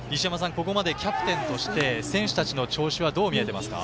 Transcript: ここまでキャプテンとして選手たちの調子はどう見えていますか？